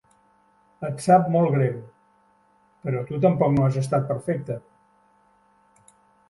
Et sap molt greu... però tu tampoc no has estat perfecta.